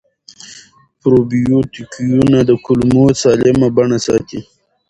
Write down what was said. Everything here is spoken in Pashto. پروبیوتیکونه د کولمو سالمه بڼه ساتي.